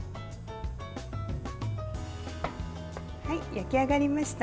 焼き上がりました。